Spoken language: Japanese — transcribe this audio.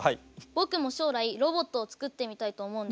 僕も将来ロボットを作ってみたいと思うんですが。